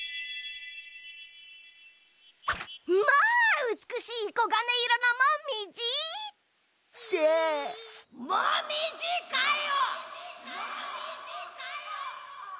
まあうつくしいこがねいろのモミジ！ってモミジかよ！